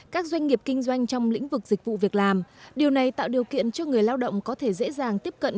các doanh nghiệp kinh doanh trong lĩnh vực dịch vụ việc làm điều này tạo điều kiện cho người lao động có thể dễ dàng tiếp cận